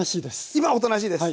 今はおとなしいです。